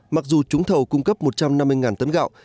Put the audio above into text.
mặc dù trúng thầu cung cấp một trăm năm mươi tấn gạo